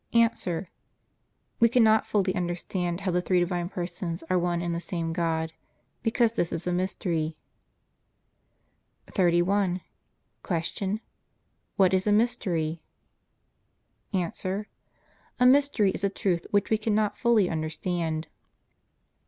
A. We cannot fully understand how the three Divine Persons are one and the same God, because this is a mystery. 31. Q. What is a mystery? A. A mystery is a truth which we cannot fully understand.